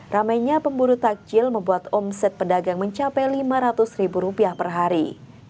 ramainya pemburu takjil membuat omset pedagang mencapai lima ratus ribu rupiah per hari